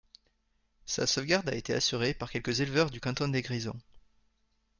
Sa sauvegarde a été assurée par quelques éleveurs du canton des Grisons.